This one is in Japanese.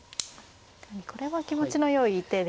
これは気持ちのよい手ですね。